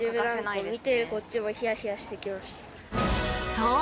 そう！